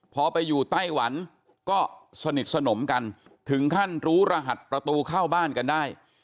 พอไปอยู่ไต้หวันก็สนิทสนมกันถึงขั้นรู้รหัสประตูเข้าบ้านกันได้